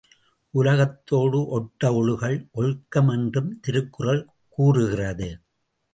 உலகத்தோடு ஒட்ட ஒழுகல் ஒழுக்கம் என்றும் திருக்குறள் கூறுகிறது.